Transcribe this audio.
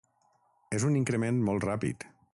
És un increment molt ràpid.